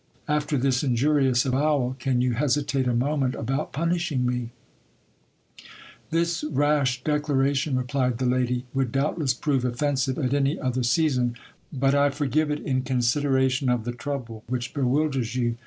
After this injurious avowal, can you hesitate j a moment about punishing me ? This rash declaration, replied the lady, would doubtless prove offensive at any other season ; but I forgive it in consideration of the trouble which bewilders i you.